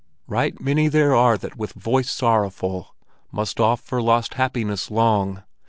Right many there are that with voice sorrowful Must oft for lost happiness long.